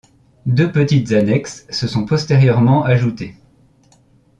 Deux petites annexes se sont postérieurement ajoutées.